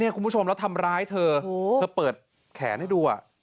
คุณผู้ชมแล้วทำร้ายเธอเธอเปิดแขนให้ดู